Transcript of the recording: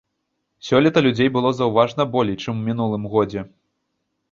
Сёлета людзей было заўважна болей, чым у мінулым годзе.